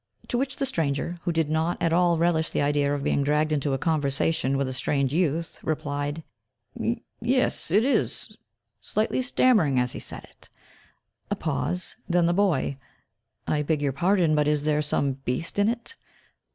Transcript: To which the stranger, who did not at all relish the idea of being dragged into a conversation with a strange youth, replied, "Yes, it is," slightly stammering as he said it. A pause, then the boy, "I beg your pardon, but is there some beast in it?"